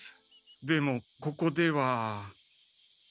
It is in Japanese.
でもここでは。